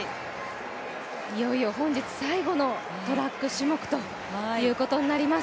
いよいよ本日最後のトラック種目となります。